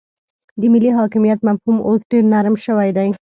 د ملي حاکمیت مفهوم اوس ډیر نرم شوی دی